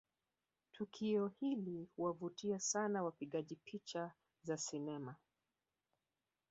Tukio hili huwavutia sana wapigaji picha za sinema